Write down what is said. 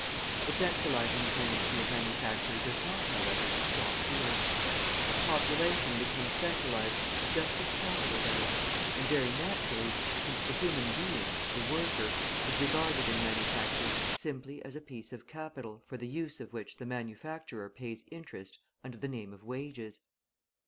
The centralising tendency of manufacture does not, however, stop here. Population becomes centralised just as capital does; and, very naturally, since the human being, the worker, is regarded in manufacture simply as a piece of capital for the use of which the manufacturer pays interest under the name of wages.